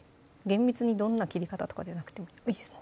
厳密にどんな切り方とかじゃなくてもいいです